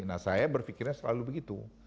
nah saya berpikirnya selalu begitu